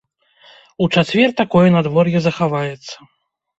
У чацвер такое надвор'е захаваецца.